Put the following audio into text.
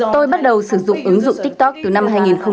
tôi bắt đầu sử dụng ứng dụng tiktok từ năm hai nghìn một mươi